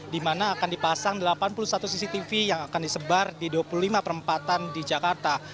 di mana akan dipasang delapan puluh satu cctv yang akan disebar di dua puluh lima perempatan di jakarta